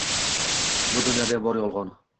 Bu dunyoda bor yolg’on.